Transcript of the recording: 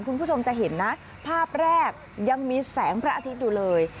คุณผู้ชมจะเห็นนะภาพแรกยังมีแสงพระอาทิตย์อยู่เลย